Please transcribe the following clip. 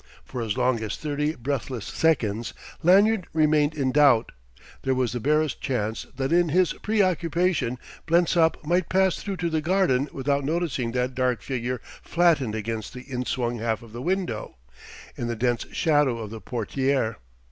For as long as thirty breathless seconds Lanyard remained in doubt; there was the barest chance that in his preoccupation Blensop might pass through to the garden without noticing that dark figure flattened against the inswung half of the window, in the dense shadow of the portière.